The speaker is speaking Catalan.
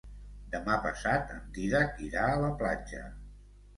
Demà passat en Dídac irà a la platja.